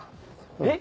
えっ？